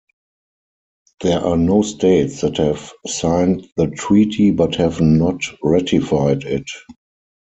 There are no states that have signed the treaty but have not ratified it.